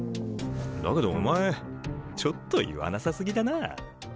だけどお前ちょっと言わなさすぎだな。